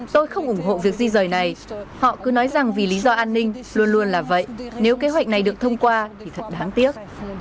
tôi không ủng hộ việc di rời này họ cứ nói rằng vì lý do an ninh luôn luôn là vậy nếu kế hoạch này được thông qua thì thật đáng tiếc